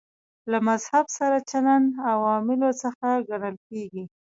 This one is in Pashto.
له مذهب سره چلند عواملو څخه ګڼل کېږي.